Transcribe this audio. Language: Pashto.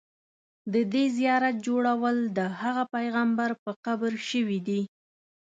د دې زیارت جوړول د هغه پیغمبر په قبر شوي دي.